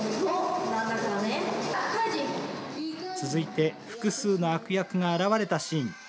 続いて複数の悪役が現れたシーン。